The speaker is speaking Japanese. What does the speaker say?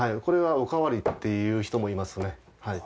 これはおかわりって言う人もいますね。